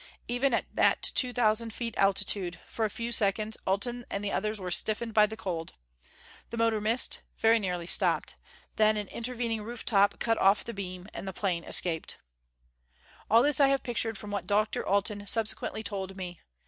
Even at that two thousand feet altitude, for a few seconds Alten and the others were stiffened by the cold. The motor missed; very nearly stopped. Then an intervening rooftop cut off the beam, and the plane escaped. All this I have pictured from what Dr. Alten subsequently told me.